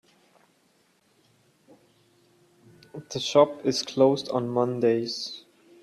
The shop is closed on Mondays.